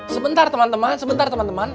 sebentar teman teman sebentar teman teman